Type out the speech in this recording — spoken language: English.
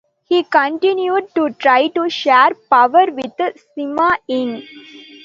He continued to try to share power with Sima Ying.